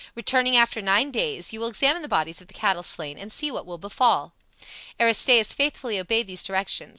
Returning after nine days, you will examine the bodies of the cattle slain and see what will befall." Aristaeus faithfully obeyed these directions.